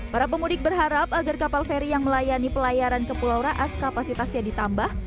para pemudik berharap agar kapal feri yang melayani pelayaran ke pulau raas kapasitasnya ditambah